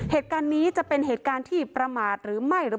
เหตุการณ์นี้จะเป็นเหตุการณ์ที่ประมาทหรือไม่หรือ